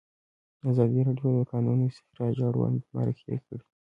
ازادي راډیو د د کانونو استخراج اړوند مرکې کړي.